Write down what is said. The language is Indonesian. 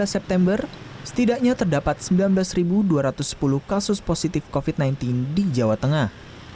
dua puluh september setidaknya terdapat sembilan belas dua ratus sepuluh kasus positif covid sembilan belas di jawa tengah